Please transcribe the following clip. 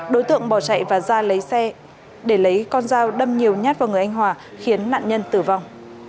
đối tượng bỏ chạy và ra lấy xe để lấy con dao đâm nhiều nhát vào người anh hòa khiến nạn nhân tử vong